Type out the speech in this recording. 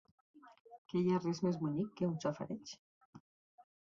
Que hi ha res més bonic que un safareig?